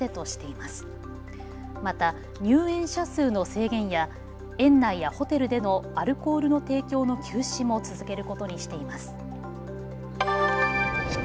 また入園者数の制限や園内やホテルでのアルコールの提供の休止も続けることにしています。